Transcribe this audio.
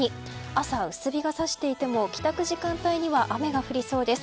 朝、薄日が差していても帰宅時間帯には雨が降りそうです。